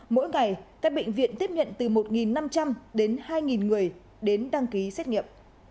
mỗi ngày các bệnh viện tiếp nhận từ một năm trăm linh đến hai người đến đăng ký xét nghiệm